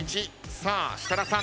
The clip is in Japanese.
さあ設楽さん。